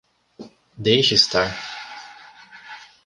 Deixe estar.